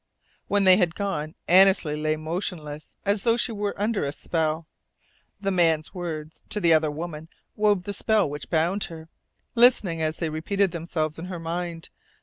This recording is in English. When they had gone Annesley lay motionless, as though she were under a spell. The man's words to the other woman wove the spell which bound her, listening as they repeated themselves in her mind.